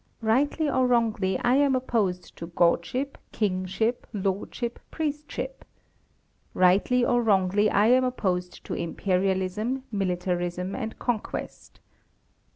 Rightly or wrongly, I am opposed to Godship, Kingship, Lordship, Priestship. Rightly or wrongly, I am opposed to Imperialism, Militarism, and Conquest.